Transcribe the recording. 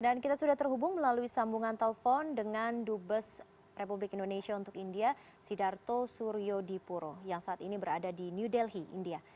dan kita sudah terhubung melalui sambungan telepon dengan dubes republik indonesia untuk india sidarto suryodipuro yang saat ini berada di new delhi india